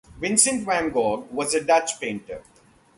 Vincent van Gogh was a Dutch painter.